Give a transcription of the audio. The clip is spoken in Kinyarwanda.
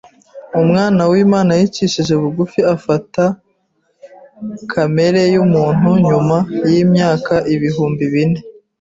Umwana w’Imana yicishije bugufi afata kamere y’umuntu nyuma y’imyaka ibihumbi bine